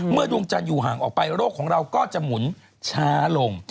ดวงจันทร์อยู่ห่างออกไปโรคของเราก็จะหมุนช้าลง